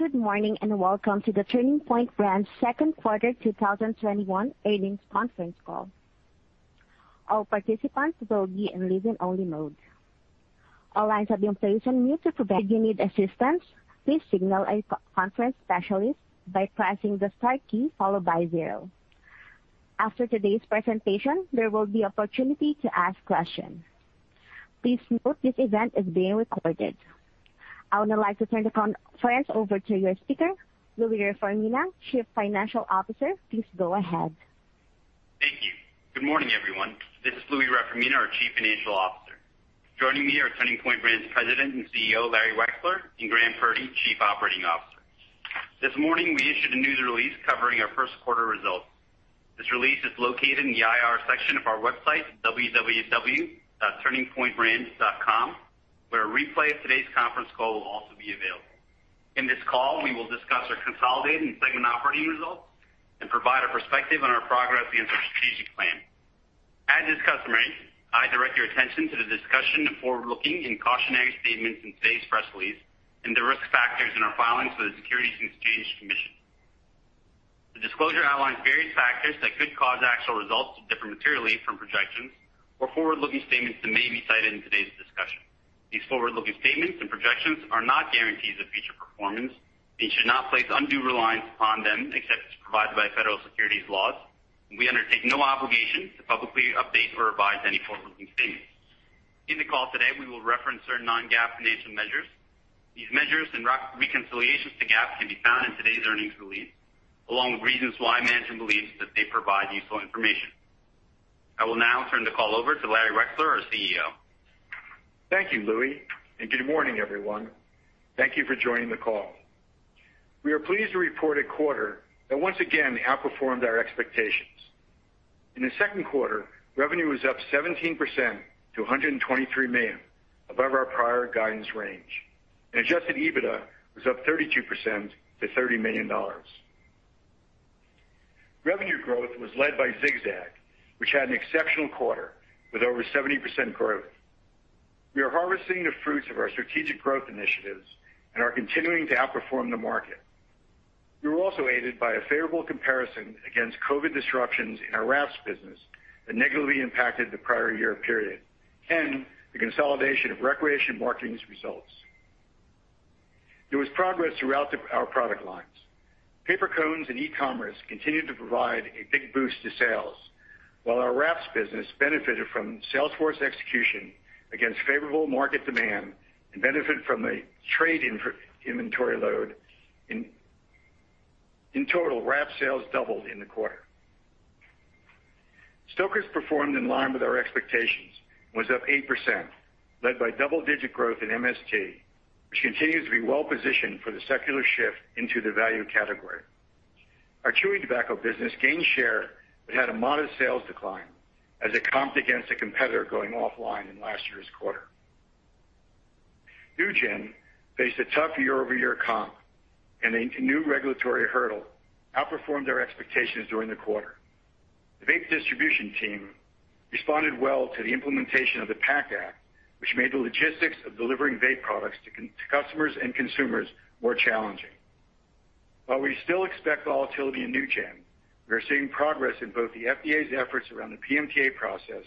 Good morning, and welcome to the Turning Point Brands second quarter 2021 earnings conference call. Our participants will be in listen-only mode. All lines have been placed on mute to prevent. If you need any assistance, please signal any conference specialist by pressing the star key followed by zero. After today's presentation, there will be an opportunity to ask questions. Please note this event is being recorded. I would now like to turn the conference over to your speaker, Louie Reformina, Chief Financial Officer. Please go ahead. Thank you. Good morning, everyone. This is Louie Reformina, our Chief Financial Officer. Joining me are Turning Point Brands President and CEO, Larry Wexler, and Graham Purdy, Chief Operating Officer. This morning, we issued a news release covering our first-quarter results. This release is located in the IR section of our website, www.turningpointbrands.com, where a replay of today's conference call will also be available. In this call, we will discuss our consolidated and segment operating results and provide a perspective on our progress against our strategic plan. As is customary, I direct your attention to the discussion of forward-looking and cautionary statements in today's press release and the risk factors in our filings with the Securities and Exchange Commission. The disclosure outlines various factors that could cause actual results to differ materially from projections or forward-looking statements that may be cited in today's discussion. These forward-looking statements and projections are not guarantees of future performance and should not place undue reliance upon them except as provided by federal securities laws, and we undertake no obligation to publicly update or revise any forward-looking statements. In the call today, we will reference certain non-GAAP financial measures. These measures and reconciliations to GAAP can be found in today's earnings release, along with reasons why management believes that they provide useful information. I will now turn the call over to Larry Wexler, our CEO. Thank you, Louie. Good morning, everyone. Thank you for joining the call. We are pleased to report a quarter that once again outperformed our expectations. In the second quarter, revenue was up 17% to $123 million, above our prior guidance range. Adjusted EBITDA was up 32% to $30 million. Revenue growth was led by Zig-Zag, which had an exceptional quarter with over 70% growth. We are harvesting the fruits of our strategic growth initiatives and are continuing to outperform the market. We were also aided by a favorable comparison against COVID disruptions in our wraps business that negatively impacted the prior year period and the consolidation of ReCreation Marketing's results. There was progress throughout our product lines. Paper cones and e-commerce continued to provide a big boost to sales, while our wraps business benefited from Salesforce execution against favorable market demand and benefited from a trade inventory load. In total, wrap sales doubled in the quarter. Stoker's performed in line with our expectations and was up 8%, led by double-digit growth in MST, which continues to be well positioned for the secular shift into the value category. Our chewing tobacco business gained share but had a modest sales decline as it comped against a competitor going offline in last year's quarter. NewGen faced a tough year-over-year comp, and a new regulatory hurdle outperformed our expectations during the quarter. The vape distribution team responded well to the implementation of the PACT Act, which made the logistics of delivering vape products to customers and consumers more challenging. While we still expect volatility in NewGen, we are seeing progress in both the FDA's efforts around the PMTA process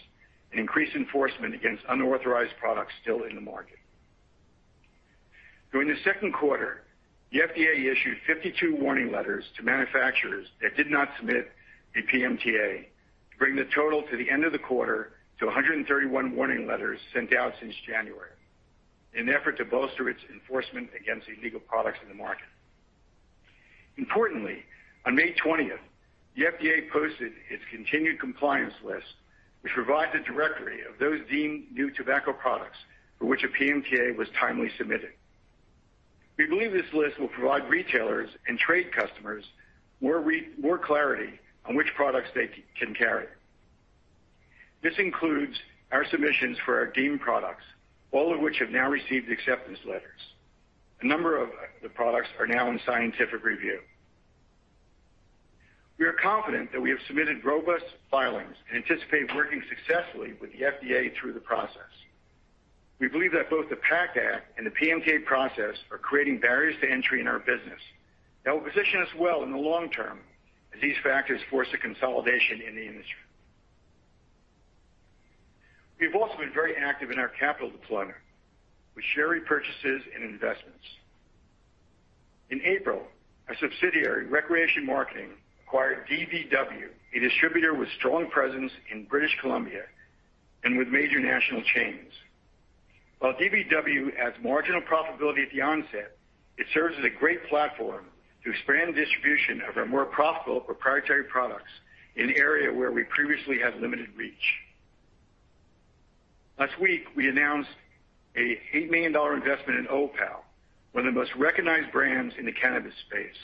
and increased enforcement against unauthorized products still in the market. During the second quarter, the FDA issued 52 warning letters to manufacturers that did not submit a PMTA to bring the total to the end of the quarter to 131 warning letters sent out since January in an effort to bolster its enforcement against illegal products in the market. Importantly, on May 20th, the FDA posted its continued compliance list, which provides a directory of those deemed new tobacco products for which a PMTA was timely submitted. We believe this list will provide retailers and trade customers with more clarity on which products they can carry. This includes our submissions for our deemed products, all of which have now received acceptance letters. A number of the products are now in scientific review. We are confident that we have submitted robust filings and anticipate working successfully with the FDA through the process. We believe that both the PACT Act and the PMTA process are creating barriers to entry in our business that will position us well in the long term as these factors force a consolidation in the industry. We've also been very active in our capital deployment with share repurchases and investments. In April, our subsidiary, ReCreation Marketing, acquired DBW, a distributor with a strong presence in British Columbia and with major national chains. While DBW adds marginal profitability at the onset, it serves as a great platform to expand the distribution of our more profitable proprietary products in an area where we previously had limited reach. Last week, we announced a $8 million investment in Old Pal, one of the most recognized brands in the cannabis space,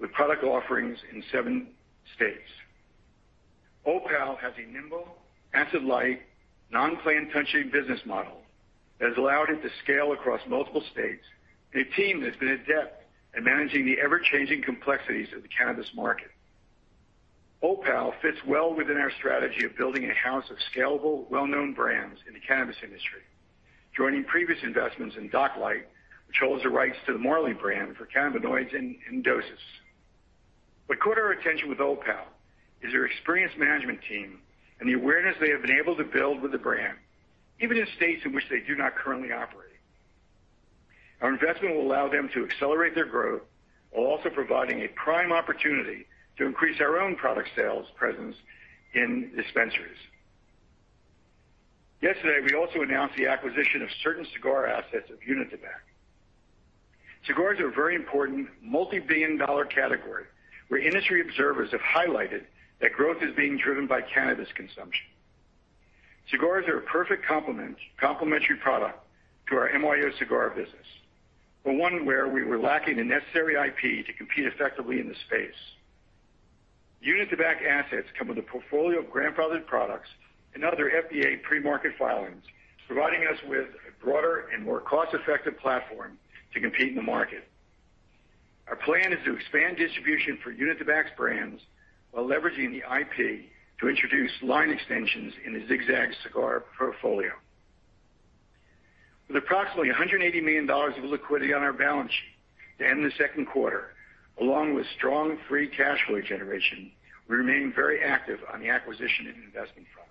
with product offerings in seven states. Old Pal has a nimble, asset-light, non-plant-touching business model that has allowed it to scale across multiple states, and a team that's been adept at managing the ever-changing complexities of the cannabis market. Old Pal fits well within our strategy of building a house of scalable, well-known brands in the cannabis industry, joining previous investments in Docklight Brands, which holds the rights to the Marley brand for cannabinoids and dosist. What caught our attention with Old Pal is their experienced management team and the awareness they have been able to build with the brand, even in states in which they do not currently operate. Our investment will allow them to accelerate their growth, while also providing a prime opportunity to increase our own product sales presence in dispensaries. Yesterday, we also announced the acquisition of certain cigar assets of Unitabac. Cigars are a very important multibillion-dollar category, where industry observers have highlighted that growth is being driven by cannabis consumption. Cigars are a perfect complementary product to our MYO cigar business, but one where we were lacking the necessary IP to compete effectively in the space. Unitabac assets come with a portfolio of grandfathered products and other FDA pre-market filings, providing us with a broader and more cost-effective platform to compete in the market. Our plan is to expand distribution for Unitabac's brands while leveraging the IP to introduce line extensions in the Zig-Zag cigar portfolio. With approximately $180 million of liquidity on our balance sheet to end the second quarter, along with strong free cash flow generation, we remain very active on the acquisition and investment front.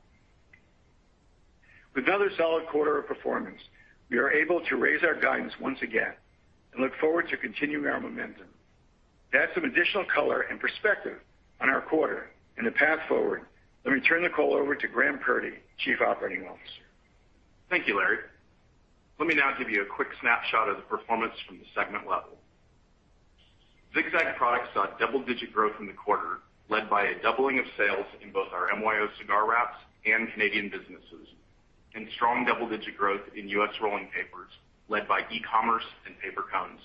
With another solid quarter of performance, we are able to raise our guidance once again and look forward to continuing our momentum. To add some additional color and perspective on our quarter and the path forward, let me turn the call over to Graham Purdy, Chief Operating Officer. Thank you, Larry. Let me now give you a quick snapshot of the performance from the segment level. Zig-Zag products saw double-digit growth in the quarter, led by a doubling of sales in both our MYO cigar wraps and Canadian businesses, and strong double-digit growth in U.S. rolling papers, led by e-commerce and paper cones.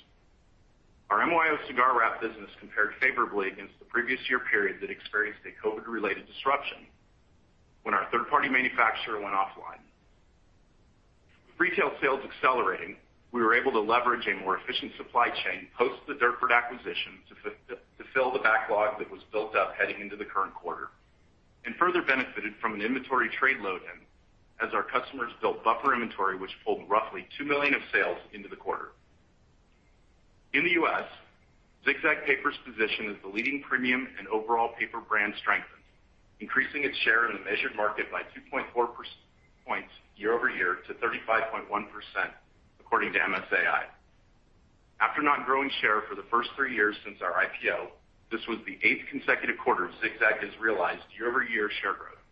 Our MYO cigar wrap business compared favorably against the previous year period that experienced a COVID-related disruption when our third-party manufacturer went offline. With retail sales accelerating, we were able to leverage a more efficient supply chain post the Durfort acquisition to fill the backlog that was built up heading into the current quarter, and further benefited from an inventory trade load-in as our customers built buffer inventory, which pulled roughly $2 million of sales into the quarter. In the U.S., Zig-Zag Paper's position as the leading premium and overall paper brand strengthened, increasing its share in the measured market by 2.4 points year-over-year to 35.1%, according to MSAi. After not growing share for the first three years since our IPO, this was the eighth consecutive quarter Zig-Zag has realized year-over-year share growth,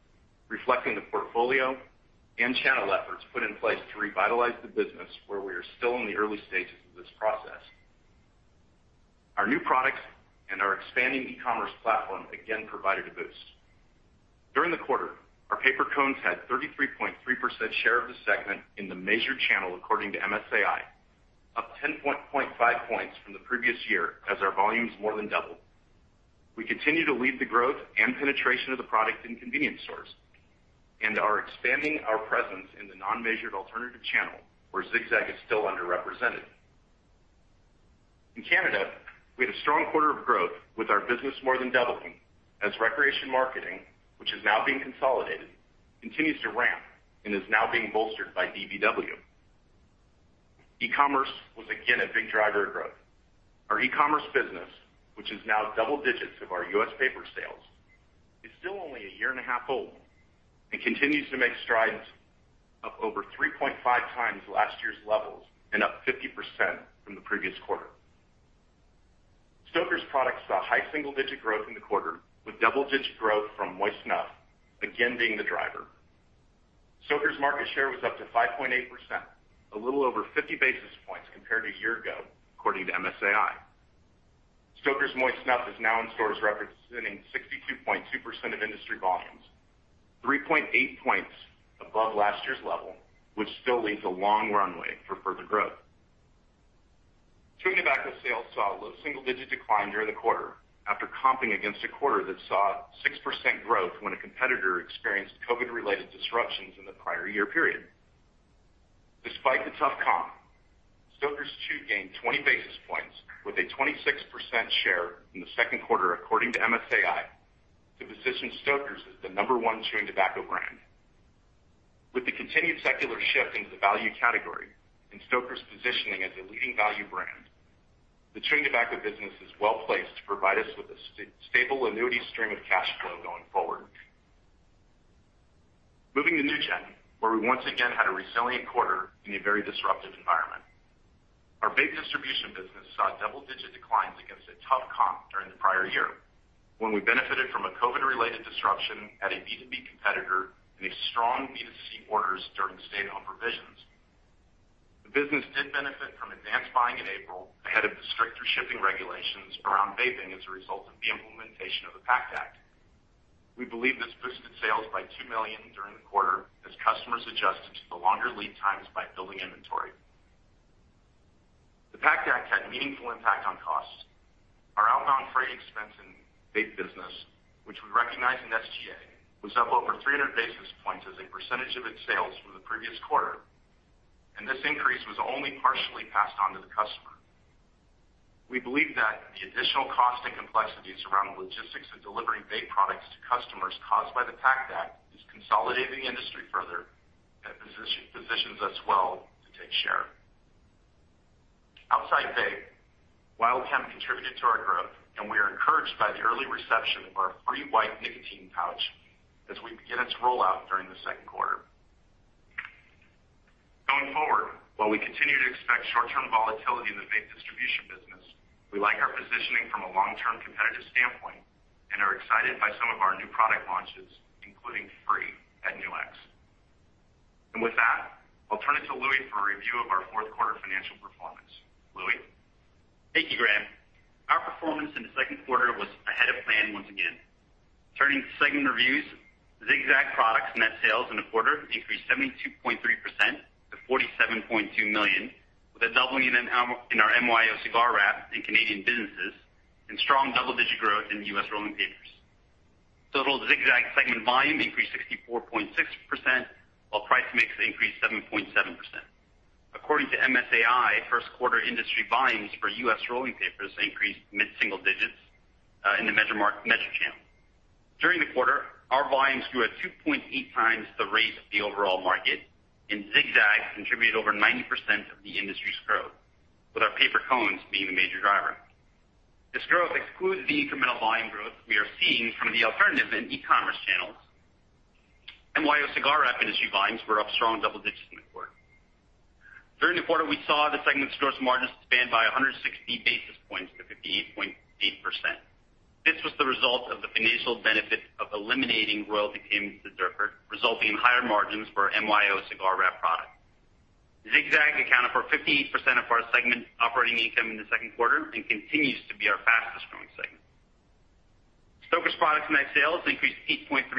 reflecting the portfolio and channel efforts put in place to revitalize the business, where we are still in the early stages of this process. Our new products and our expanding e-commerce platform again provided a boost. During the quarter, our paper cones had 33.3% share of the segment in the measured channel, according to MSAi, up 10.5 points from the previous year as our volumes more than doubled. We continue to lead the growth and penetration of the product in convenience stores and are expanding our presence in the non-measured alternative channel, where Zig-Zag is still underrepresented. In Canada, we had a strong quarter of growth, with our business more than doubling as ReCreation Marketing, which is now being consolidated, continues to ramp and is now being bolstered by DBW. E-commerce was again a big driver of growth. Our e-commerce business, which is now double-digits of our U.S. paper sales, is still only a year and a half old and continues to make strides, up over 3.5x last year's levels and up 50% from the previous quarter. Stoker's products saw high single-digit growth in the quarter, with double-digit growth from moist snuff again being the driver. Stoker's market share was up to 5.8%, a little over 50 basis points compared to a year ago, according to MSAi. Stoker's moist snuff is now in stores, representing 62.2% of industry volumes, 3.8 points above last year's level, which still leaves a long runway for further growth. Chewing tobacco sales saw a low single-digit decline during the quarter after comping against a quarter that saw 6% growth when a competitor experienced COVID-related disruptions in the prior year period. Despite the tough comp, Stoker's Chew gained 20 basis points with a 26% share in the second quarter, according to MSAi, to position Stoker's as the number one chewing tobacco brand. With the continued secular shift into the value category and Stoker's positioning as a leading value brand, the chewing tobacco business is well-placed to provide us with a stable annuity stream of cash flow going forward. Moving to NewGen, where we once again had a resilient quarter in a very disruptive environment. Our vape distribution business saw double-digit declines against a tough comp during the prior year, when we benefited from a COVID-related disruption at a B2B competitor and strong B2C orders during stay-at-home provisions. The business did benefit from advance buying in April ahead of the stricter shipping regulations around vaping as a result of the implementation of the PACT Act. We believe this boosted sales by $2 million during the quarter as customers adjusted to the longer lead times by building inventory. The PACT Act had a meaningful impact on costs. Our outbound freight expense in the vape business, which we recognize in SG&A, was up over 300 basis points as a percentage of its sales from the previous quarter. This increase was only partially passed on to the customer. We believe that the additional cost and complexities around the logistics of delivering vape products to customers caused by the PACT Act is consolidating the industry further and position us well to take share. Outside vape, Wild Hemp contributed to our growth, and we are encouraged by the early reception of our FRE white nicotine pouch as we begin its rollout during the second quarter. Going forward, while we continue to expect short-term volatility in the vape distribution business, we like our positioning from a long-term competitive standpoint and are excited by some of our new product launches, including FRE at Nu-X. With that, I'll turn it to Louie for a review of our fourth quarter financial performance. Louie? Thank you, Graham. Our performance in the second quarter was ahead of plan once again. Turning to segment reviews, Zig-Zag products' net sales in the quarter increased 72.3% to $47.2 million, with a doubling in our MYO cigar wrap in Canadian businesses and strong double-digit growth in U.S. rolling papers. Total Zig-Zag segment volume increased 64.6%, while price mix increased 7.7%. According to MSAi, first-quarter industry volumes for U.S. rolling papers increased mid-single digits in the measured channel. During the quarter, our volume grew at 2.8x the rate of the overall market, and Zig-Zag contributed over 90% of the industry's growth, with our paper cones being a major driver. This growth excludes the incremental volume growth we are seeing from the alternative and e-commerce channels. MYO cigar wrap industry volumes were up in strong double digits in the quarter. During the quarter, we saw the segment's gross margins expand by 160 basis points to 58.8%. This was the result of the financial benefit of eliminating royalty payments to Durfort, resulting in higher margins for MYO cigar wrap product. Zig-Zag accounted for 58% of our segment operating income in the second quarter and continues to be our fastest-growing segment. Stoker's products' net sales increased 8.3%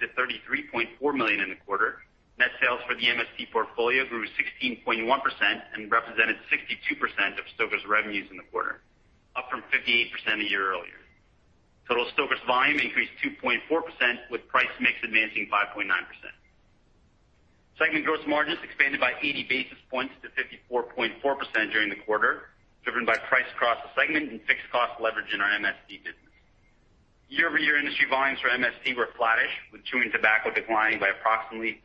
to $33.4 million in the quarter. Net sales for the MST portfolio grew 16.1% and represented 62% of Stoker's revenues in the quarter, up from 58% a year earlier. Total Stoker's volume increased 2.4%, with price mix advancing 5.9%. Segment gross margins expanded by 80 basis points to 54.4% during the quarter, driven by price across the segment and fixed cost leverage in our MST business. Year-over-year industry volumes for MST were flattish, with chewing tobacco declining by approximately 3%.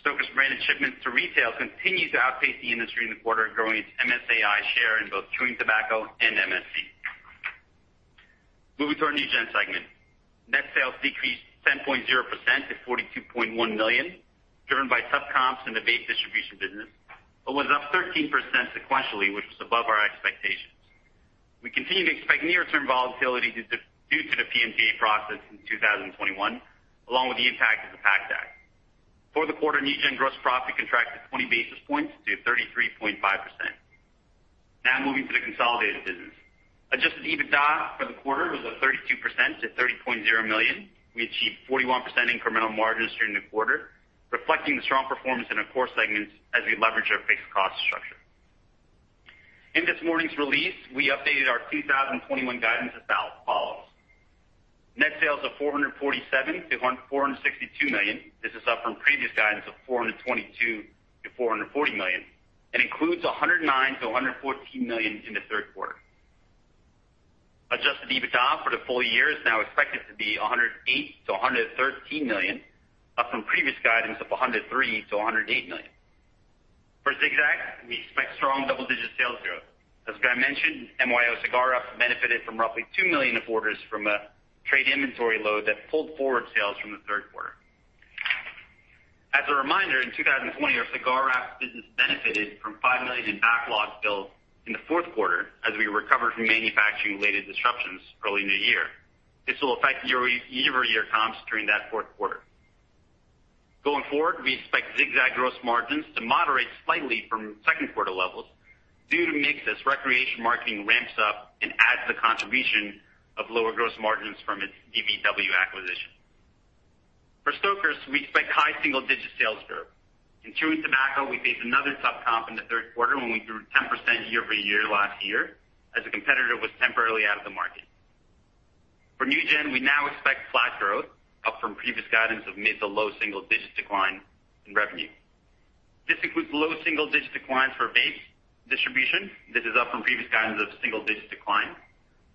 Stoker's branded shipments to retail continued to outpace the industry in the quarter, growing its MSAi share in both chewing tobacco and MST. Moving to our NewGen segment. Net sales decreased 10.0% to $42.1 million, driven by tough comps in the vape distribution business, but was up 13% sequentially, which was above our expectations. We continue to expect near-term volatility due to the PMTA process in 2021, along with the impact of the PACT Act. For the quarter, NewGen gross profit contracted 20 basis points to 33.5%. Moving to the consolidated business. Adjusted EBITDA for the quarter was up 32% to $30.0 million. We achieved 41% incremental margins during the quarter, reflecting the strong performance in our core segments as we leverage our fixed cost structure. In this morning's release, we updated our 2021 guidance as follows. Net sales of $447 million-$462 million. This is up from the previous guidance of $422 million-$440 million and includes $109 million-$114 million in the third quarter. Adjusted EBITDA for the full year is now expected to be $108 million-$113 million, up from previous guidance of $103 million-$108 million. For Zig-Zag, we expect strong double-digit sales growth. As Graham mentioned, MYO cigar wrap benefited from roughly $2 million of orders from a trade inventory load that pulled forward sales from the third quarter. As a reminder, in 2020, our cigar wrap business benefited from $5 million in backlogs billed in the fourth quarter as we recovered from manufacturing-related disruptions early in the year. This will affect year-over-year comps during that fourth quarter. Going forward, we expect Zig-Zag gross margins to moderate slightly from second-quarter levels due to mix as ReCreation Marketing ramps up and adds the contribution of lower gross margins from its DBW acquisition. For Stoker's, we expect high single-digit sales growth. In chewing tobacco, we face another tough comp in the third quarter when we grew 10% year-over-year last year, as a competitor was temporarily out of the market. For NewGen, we now expect flat growth, up from the previous guidance of mid to low single-digit decline in revenue. This includes low single-digit declines for vape distribution. This is up from the previous guidance of a single-digit decline,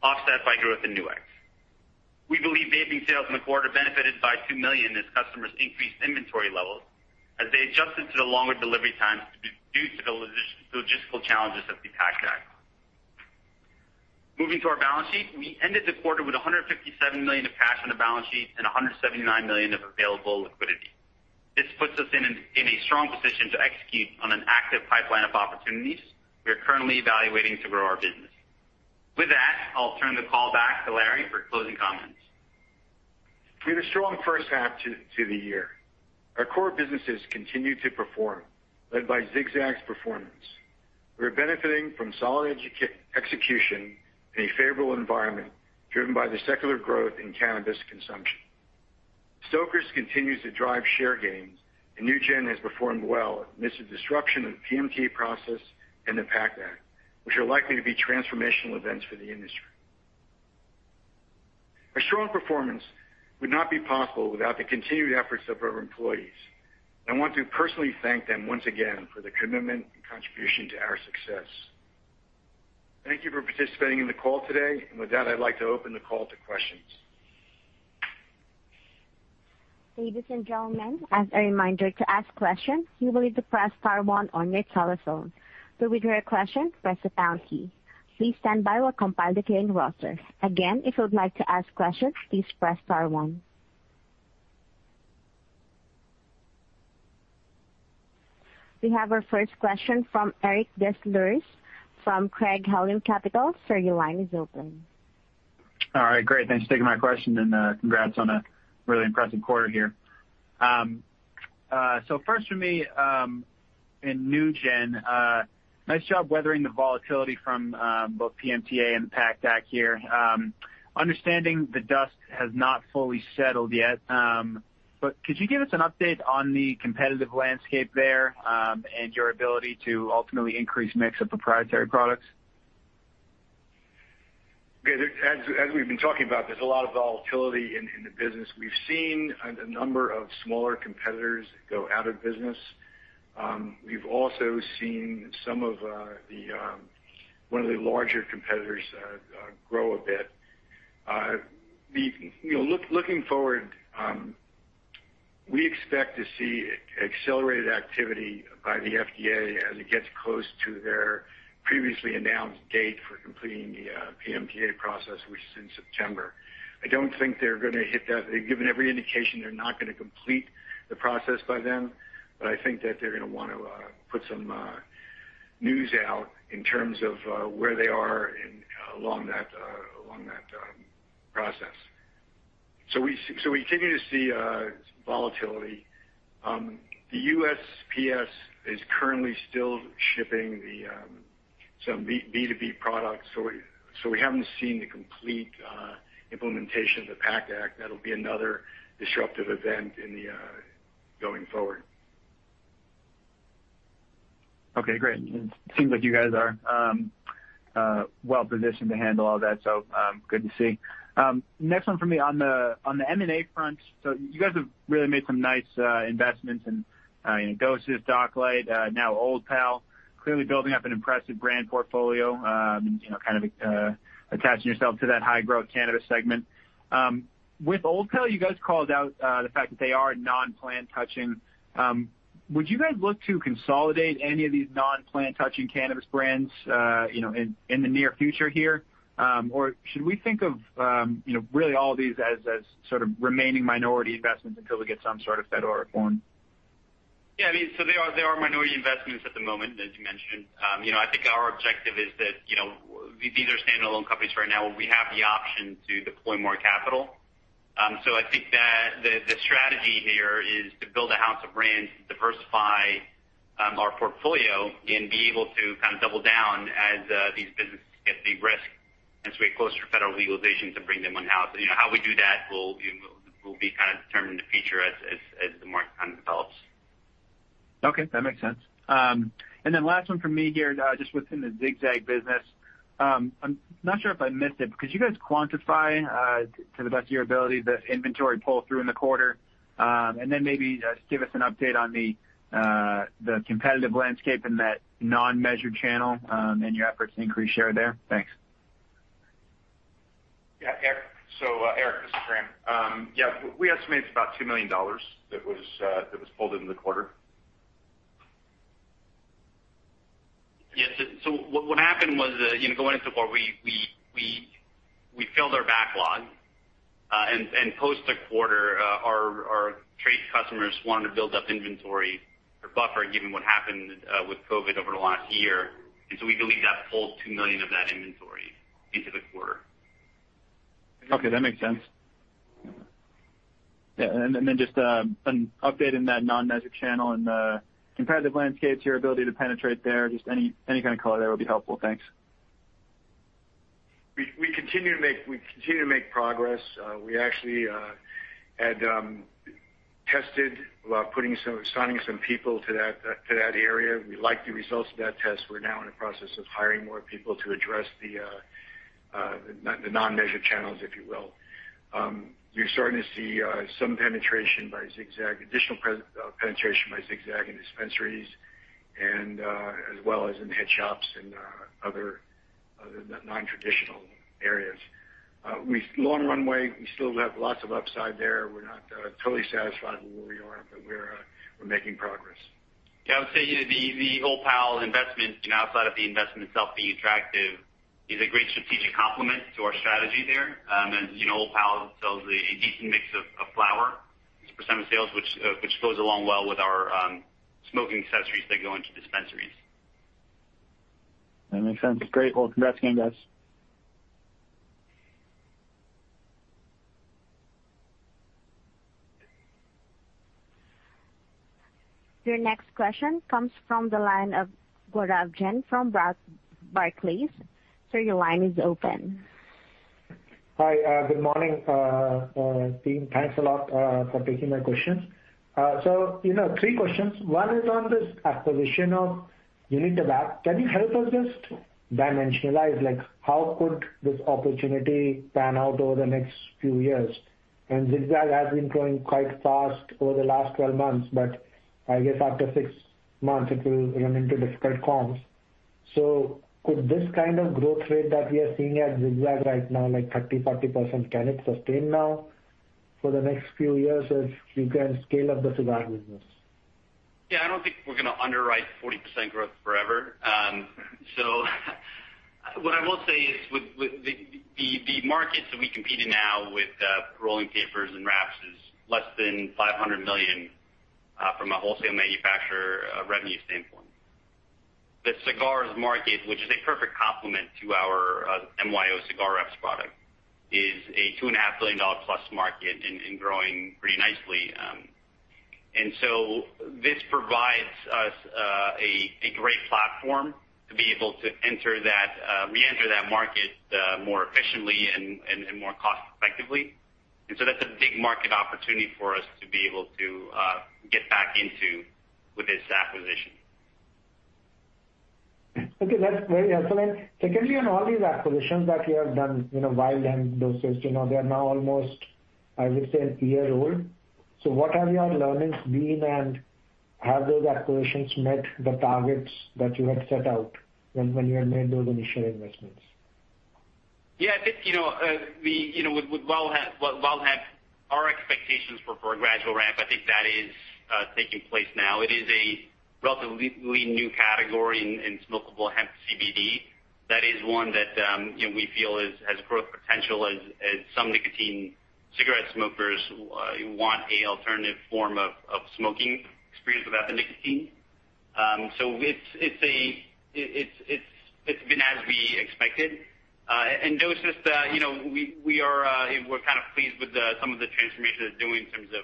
offset by growth in Nu-X. We believe vaping sales in the quarter benefited by $2 million as customers increased inventory levels as they adjusted to the longer delivery times due to the logistical challenges of the PACT Act. Moving to our balance sheet. We ended the quarter with $157 million of cash on the balance sheet and $179 million of available liquidity. This puts us in a strong position to execute on an active pipeline of opportunities we are currently evaluating to grow our business. With that, I'll turn the call back to Larry for closing comments. We had a strong first half to the year. Our core businesses continue to perform, led by Zig-Zag's performance. We're benefiting from solid execution in a favorable environment driven by the secular growth in cannabis consumption. Stoker's continues to drive share gains, and NewGen has performed well amidst the disruption of the PMTA process and the PACT Act, which are likely to be transformational events for the industry. Our strong performance would not be possible without the continued efforts of our employees. I want to personally thank them once again for their commitment and contribution to our success. Thank you for participating in the call today. With that, I'd like to open the call to questions. Ladies and gentlemen, as a reminder, to ask questions, you will need to press star one on your telephone. To withdraw your question, press the pound key. Please stand by while I compile the clearing roster. Again, if you would like to ask questions, please press star one. We have our first question from Eric Des Lauriers from Craig-Hallum Capital. Sir, your line is open. All right, great. Thanks for taking my question, and congrats on a really impressive quarter here. First, for me, in NewGen, nice job weathering the volatility from both PMTA and the PACT Act here. Understanding the dust has not fully settled yet, but could you give us an update on the competitive landscape there, and your ability to ultimately increase the mix of proprietary products? Okay. As we've been talking about, there's a lot of volatility in the business. We've seen a number of smaller competitors go out of business. We've also seen one of the larger competitors grow a bit. Looking forward, we expect to see accelerated activity by the FDA as it gets close to their previously announced date for completing the PMTA process, which is in September. I don't think they're going to hit that. They've given every indication they're not going to complete the process by then. I think that they're going to want to put some news out in terms of where they are along that process. We continue to see volatility. The USPS is currently still shipping some B2B products, so we haven't seen the complete implementation of the PACT Act. That'll be another disruptive event going forward. Okay, great. It seems like you guys are well-positioned to handle all that, so good to see. Next one for me on the M&A front. You guys have really made some nice investments in dosist, Docklight, now Old Pal, clearly building up an impressive brand portfolio, kind of attaching yourself to that high-growth cannabis segment. With Old Pal, you guys called out the fact that they are non-plant touching. Would you guys look to consolidate any of these non-plant-touching cannabis brands in the near future here? Or should we think of really all these as sort of remaining minority investments until we get some sort of federal reform? They are minority investments at the moment, as you mentioned. I think our objective is that these are standalone companies right now, but we have the option to deploy more capital. I think that the strategy here is to build a house of brands, diversify our portfolio, and be able to kind of double down as these businesses get de-risked as we get closer to federal legalization to bring them in-house. How we do that will be kind of determined in the future as the market kind of develops. Okay, that makes sense. Last one from me here, just within the Zig-Zag business. I'm not sure if I missed it, but could you guys quantify, to the best of your ability, the inventory pull-through in the quarter? Maybe just give us an update on the competitive landscape in that non-measured channel, and your efforts to increase share there. Thanks. Yeah, Eric. Eric, this is Graham. Yeah, we estimate it's about $2 million that was pulled into the quarter. Yes. What happened was that, going into the quarter, we filled our backlog. Post the quarter, our trade customers wanted to build up inventory for buffering, given what happened with COVID over the last year. We believe that we pulled $2 million of that inventory into the quarter. Okay, that makes sense. Yeah, just an update in that non-measured channel and the competitive landscape, your ability to penetrate there, just any kind of color there would be helpful. Thanks. We continue to make progress. We actually had tested, assigning some people to that area. We like the results of that test. We're now in the process of hiring more people to address the non-measured channels, if you will. You're starting to see some penetration by Zig-Zag, additional penetration by Zig-Zag in dispensaries, and as well as in head shops and other non-traditional areas. Long runway, we still have lots of upside there. We're not totally satisfied with where we are, but we're making progress. I would say, the Old Pal investment, outside of the investment itself being attractive, is a great strategic complement to our strategy there. Old Pal sells a decent mix of flower as a percent of sales, which goes along well with our smoking accessories that go into dispensaries. That makes sense. Great. Congrats again, guys. Your next question comes from the line of Gaurav Jain from Barclays. Sir, your line is open. Hi. Good morning. Team, thanks a lot for taking my questions. Three questions. One is on this acquisition of Unitabac. Can you help us just dimensionalize, how could this opportunity pan out over the next few years? Zig-Zag has been growing quite fast over the last 12 months, but I guess after six months, it will run into difficult comps. Could this kind of growth rate that we are seeing at Zig-Zag right now, like 30%-40%, can it sustain now for the next few years as you can scale up the cigar business? Yeah, I don't think we're going to underwrite 40% growth forever. What I will say is, with the markets that we compete in now, with rolling papers and wraps is less than $500 million from a wholesale manufacturer revenue standpoint. The cigars market, which is a perfect complement to our MYO cigar wraps product, is a $2.5 billion+ market and growing pretty nicely. This provides us a great platform to be able to reenter that market more efficiently and more cost-effectively. That's a big market opportunity for us to be able to get back into with this acquisition. Okay, that's very excellent. Secondly, on all these acquisitions that you have done, Wild and dosist, they are now almost, I would say, a year old. What have your learnings been, and have those acquisitions met the targets that you had set out when you had made those initial investments? Yeah, I think our expectations were for a gradual ramp. I think that is taking place now. It is a relatively new category in smokable hemp CBD. That is one that we feel has growth potential, as some nicotine cigarette smokers want an alternative form of smoking experience without the nicotine. It's been as we expected. In dosist, we're kind of pleased with some of the transformation they're doing in terms of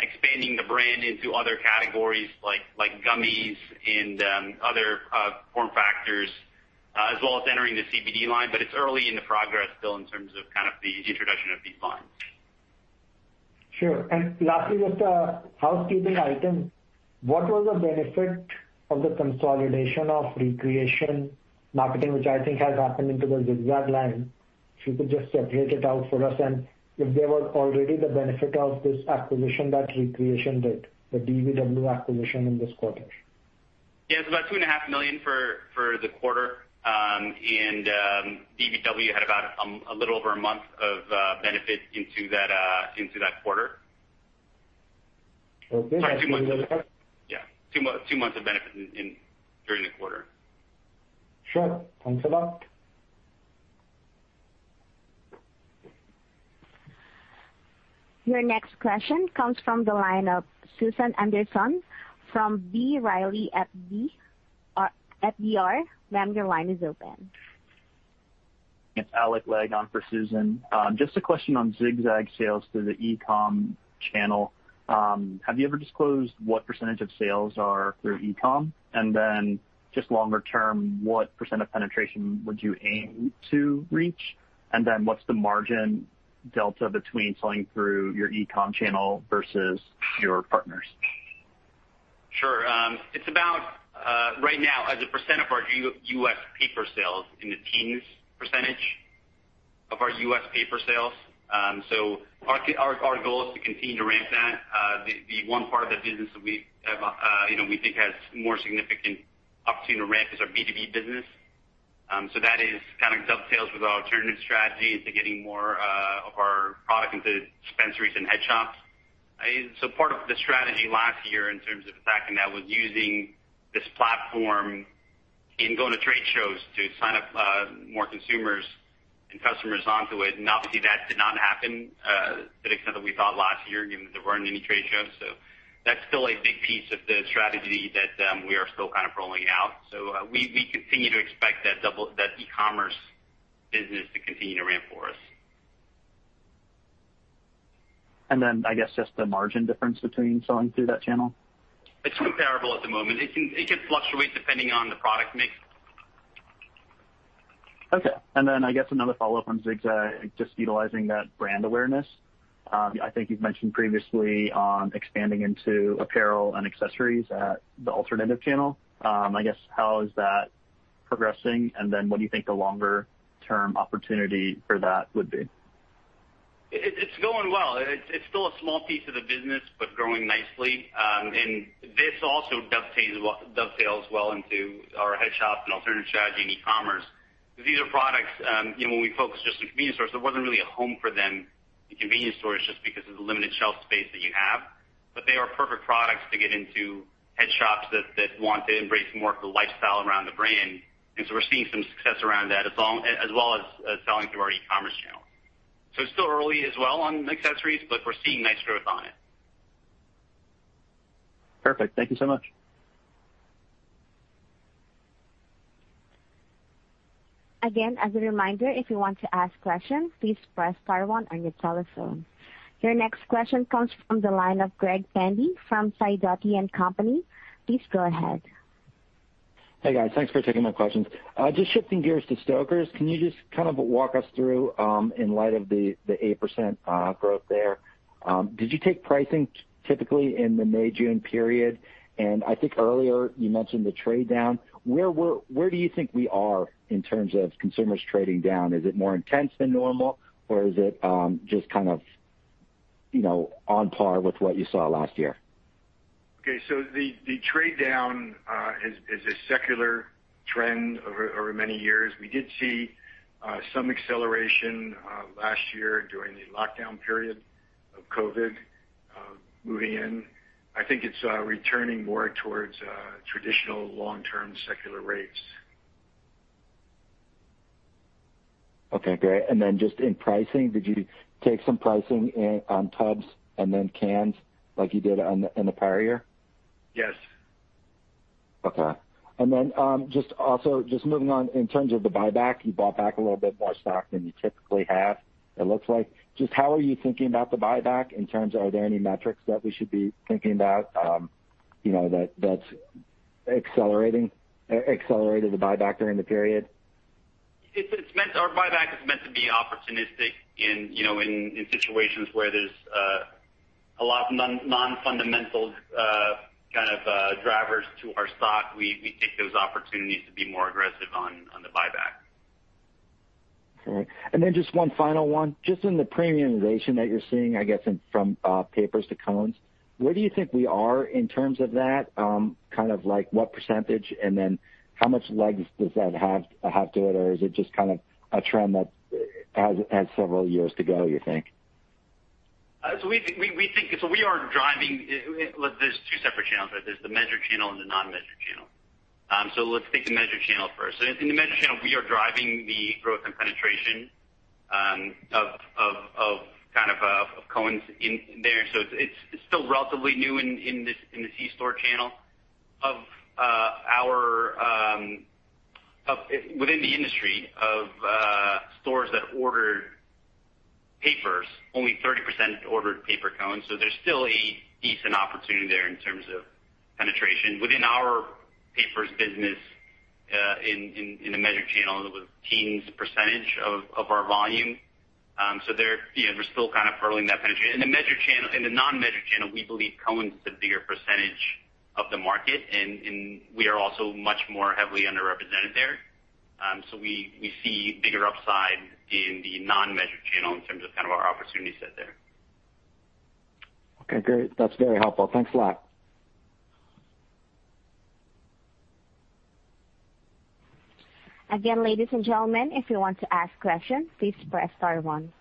expanding the brand into other categories like gummies and other form factors, as well as entering the CBD line. It's early in the progress still in terms of the introduction of these lines. Sure. Lastly, just a housekeeping item. What was the benefit of the consolidation of ReCreation Marketing, which I think has happened into the Zig-Zag line? If you could just separate it out for us, and if there was already the benefit of this acquisition that ReCreation did, the DBW acquisition in this quarter. Yeah. It's about two and a half million for the quarter. DBW had about a little over a month of benefits into that quarter. Okay. Yeah, two months of benefit during the quarter. Sure. Thanks a lot. Your next question comes from the line of Susan Anderson from B. Riley FBR. Ma'am, your line is open. It's [Alec Lagon] for Susan. Just a question on Zig-Zag sales through the e-com channel. Have you ever disclosed what percent of sales are through e-com? Just longer term, what percent of penetration would you aim to reach? What's the margin delta between selling through your e-com channel versus your partners? Sure. It's about, right now, as a percent of our U.S. paper sales, in the teens percentage of our U.S. paper sales. Our goal is to continue to ramp that. The one part of the business that we think has a more significant opportunity to ramp is our B2B business. That dovetails with our alternative strategy into getting more of our product into dispensaries and head shops. Part of the strategy last year in terms of attacking that was using this platform and going to trade shows to sign up more consumers and customers onto it. Obviously, that did not happen to the extent that we thought last year, given that there weren't any trade shows. That's still a big piece of the strategy that we are still rolling out. We continue to expect that e-commerce business to continue to ramp for us. I guess just the margin difference between selling through that channel? It's comparable at the moment. It can fluctuate depending on the product mix. Okay. I guess another follow-up on Zig-Zag, just utilizing that brand awareness. I think you've mentioned previously on expanding into apparel and accessories at the alternative channel. I guess how is that progressing, and then what do you think the longer-term opportunity for that would be? It's going well. It's still a small piece of the business, but growing nicely. This also dovetails well into our head shop and alternative strategy in e-commerce, because these are products; when we focus just on convenience stores, there wasn't really a home for them in convenience stores, just because of the limited shelf space that you have. They are perfect products to get into head shops that want to embrace more of the lifestyle around the brand. We're seeing some success around that, as well as selling through our e-commerce channel. It's still early as well on accessories, but we're seeing nice growth on it. Perfect. Thank you so much. As a reminder, if you want to ask questions, please press star one on your telephone. Your next question comes from the line of Greg Pandy from Sidoti & Company. Please go ahead. Hey guys, thanks for taking my questions. Just shifting gears to Stoker's, can you just walk us through, in light of the 8% growth there, did you take pricing typically in the May, June period? I think earlier you mentioned the trade-down. Where do you think we are in terms of consumers trading down? Is it more intense than normal, or is it just on par with what you saw last year? The trade-down is a secular trend over many years. We did see some acceleration last year during the lockdown period of COVID moving in. I think it's returning more towards traditional long-term secular rates. Okay, great. Just in pricing, did you take some pricing on tubs and then cans like you did in the prior year? Yes. Okay. Just also, just moving on, in terms of the buyback, you bought back a little bit more stock than you typically have, it looks like. Just how are you thinking about the buyback in terms of are there any metrics that we should be thinking about that's accelerated the buyback during the period? Our buyback is meant to be opportunistic in situations where there's a lot of non-fundamental kinds of drivers to our stock. We take those opportunities to be more aggressive on the buyback. Okay. Just one final one. Just in the premiumization that you're seeing, I guess, from papers to cones, where do you think we are in terms of that? Kind of like what percentage, and then how much legs does that have to it, or is it just kind of a trend that has several years to go, you think? There's two separate channels, right? There's the measured channel and the non-measured channel. Let's take the measured channel first. In the measured channel, we are driving the growth and penetration of cones in there. It's still relatively new in the C-store channel. Within the industry of stores that order paper, only 30% ordered paper cones. There's still a decent opportunity there in terms of penetration. Within our papers business, in the measured channel, it was a teen percentage of our volume. There, we're still kind of furloughing that penetration. In the non-measured channel, we believe cones is a bigger percentage of the market, and we are also much more heavily underrepresented there. We see a bigger upside in the non-measured channel in terms of kind of our opportunity set there. Okay, great. That's very helpful. Thanks a lot. Again, ladies and gentlemen, if you want to ask questions, please press star one.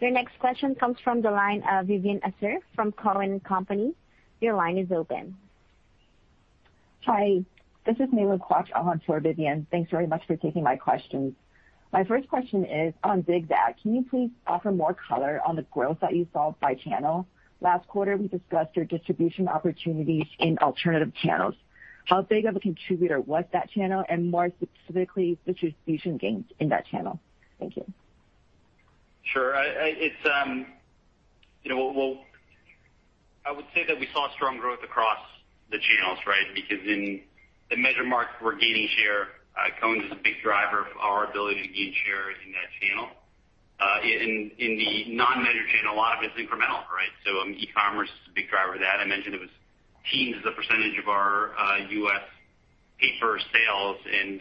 Your next question comes from the line of Vivien Azer from Cowen and Company. Your line is open. Hi, this is [May Lu]. Quite on for Vivien. Thanks very much for taking my questions. My first question is on Zig-Zag. Can you please offer more color on the growth that you saw by channel? Last quarter, we discussed your distribution opportunities in alternative channels. How big of a contributor was that channel, and more specifically, distribution gains in that channel? Thank you. Sure. I would say that we saw strong growth across the channels, right? In the measured market, we're gaining share. Cones is a big driver of our ability to gain share in that channel. In the non-measured channel, a lot of it's incremental, right? E-commerce is a big driver of that. I mentioned it was teens as a percentage of our U.S. paper sales, and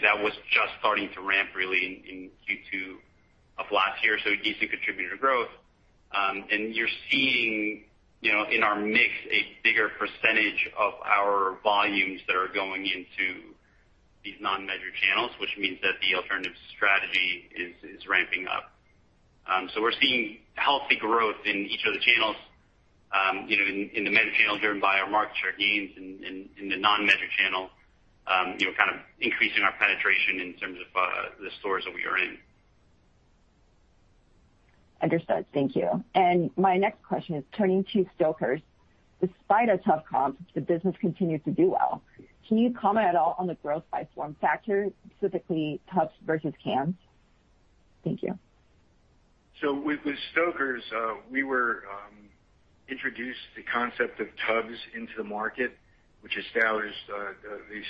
that was just starting to ramp really in Q2 of last year, a decent contributor to growth. You're seeing in our mix a bigger percentage of our volumes that are going into these non-measured channels, which means that the alternative strategy is ramping up. We're seeing healthy growth in each of the channels. In the measured channel, driven by our market share gains, in the non-measured channel kind of increasing our penetration in terms of the stores that we are in. Understood. Thank you. My next question is turning to Stoker's. Despite a tough comp, the business continued to do well. Can you comment at all on the growth by form factor, specifically tubs versus cans? Thank you. With Stoker's, we introduced the concept of tubs into the market, which established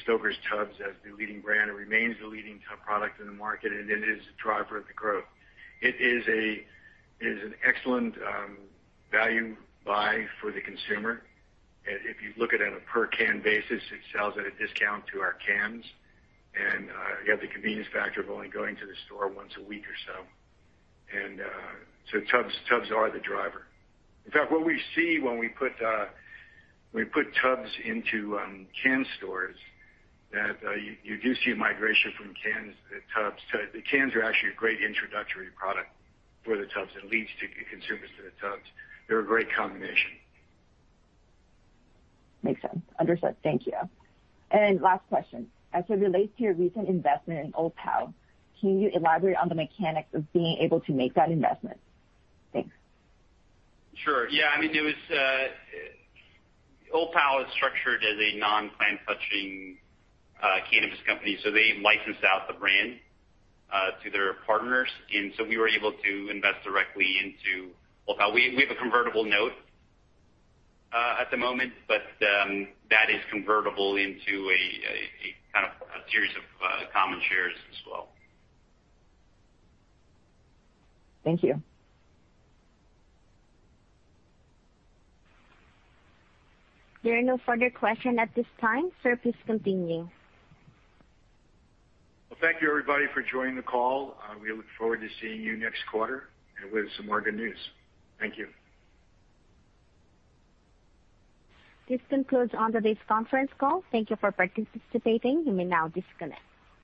Stoker's tubs as the leading brand. It remains the leading tub product in the market, and it is a driver of the growth. It is an excellent value buy for the consumer. If you look at it on a per-can basis, it sells at a discount to our cans. You have the convenience factor of only going to the store once a week or so. Tubs are the driver. In fact, what we see when we put tubs into can stores that you do see a migration from cans to tubs. The cans are actually a great introductory product for the tubs. It leads consumers to the tubs. They are a great combination. Makes sense. Understood. Thank you. Last question. As it relates to your recent investment in Old Pal, can you elaborate on the mechanics of being able to make that investment? Thanks. Sure. I mean, Old Pal is structured as a non-plant-touching cannabis company. They licensed out the brand to their partners. We were able to invest directly into Old Pal. We have a convertible note at the moment, that is convertible into a kind of a series of common shares as well. Thank you. There are no further questions at this time, sir. Please continue. Well, thank you, everybody, for joining the call. We look forward to seeing you next quarter and with some more good news. Thank you. This concludes today's conference call. Thank you for participating. You may now disconnect.